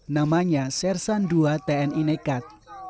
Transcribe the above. namanya sersan ii tni nekat